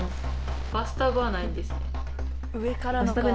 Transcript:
バスタブないですね。